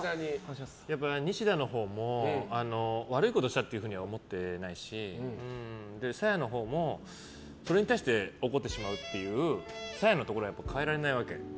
やっぱニシダのほうも悪いことしたっていうふうには思ってないし、サーヤのほうもそれに対して怒ってしまうっていうサーヤのところは変えられないわけ。